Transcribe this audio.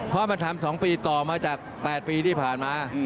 เพราะมันทำ๒ปีต่อมาจาก๘ปีที่ผ่านมา